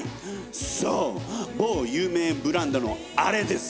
そう某有名ブランドのあれです！